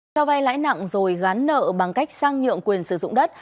cho vay lãi nặng rồi gán nợ bằng cách sang nhượng quyền sử dụng đất